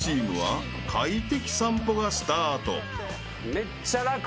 めっちゃ楽。